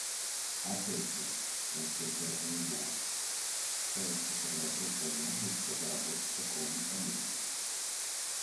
Опять же, насколько я пониманию, ставится под вопрос возможность разработки такого механизма.